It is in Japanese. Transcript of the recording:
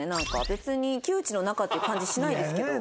別に旧知の仲っていう感じしないですけど。